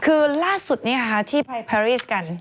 คือล่าสุดที่ไปพารีสกัน